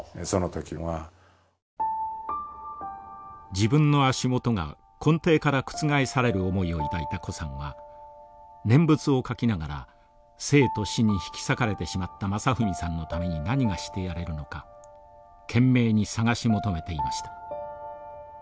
自分の足元が根底から覆される思いを抱いた高さんは念仏を書きながら生と死に引き裂かれてしまった真史さんのために何がしてやれるのか懸命に探し求めていました。